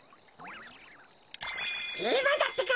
いまだってか。